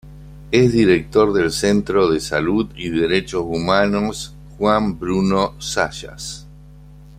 Es director del Centro de Salud y Derechos Humanos Juan Bruno Zayas.